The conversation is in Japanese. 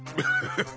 ハハハハ。